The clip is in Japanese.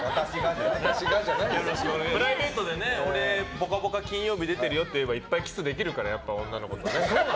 プライベートで俺、「ぽかぽか」金曜日出てるよって言えばいっぱいキスできるから女の子と。